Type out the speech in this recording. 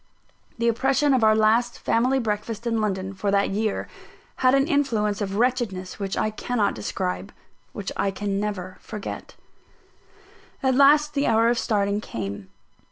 The oppression of our last family breakfast in London, for that year, had an influence of wretchedness which I cannot describe which I can never forget. At last the hour of starting came.